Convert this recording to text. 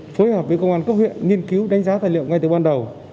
phối hợp với cơ quan cấp huyện nghiên cứu đánh giá tài liệu ngay từ ban đầu